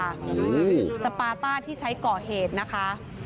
อืมสปาต้าที่ใช้ก่อเหตุนะคะ